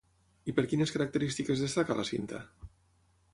I per quines característiques destaca la cinta?